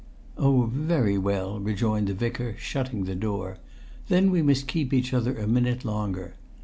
"Oh, very well," rejoined the Vicar, shutting the door. "Then we must keep each other a minute longer.